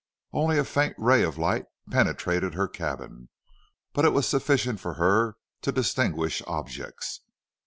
Only a faint ray of light penetrated her cabin, but it was sufficient for her to distinguish objects.